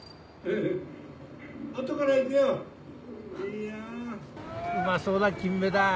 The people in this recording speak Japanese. いやうまそうなキンメだ。